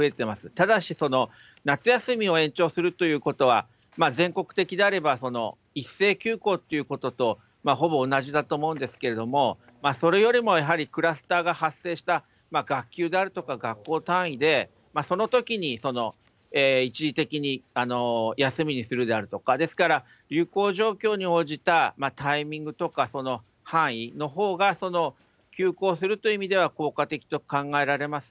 ただし、夏休みを延長するということは、全国的であれば、一斉休校ということとほぼ同じだと思うんですけれども、それよりもやはりクラスターが発生した学級であるとか、学校単位で、そのときに一時的に休みにするであるとか、ですから、流行状況に応じたタイミングとか範囲のほうが、休校するという意味では効果的と考えられます。